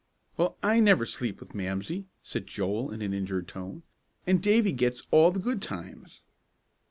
"Well, I never sleep with Mamsie," said Joel, in an injured tone. "And Davie gets all the good times."